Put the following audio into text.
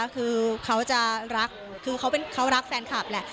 คือเขารักแฟนคลับแหละ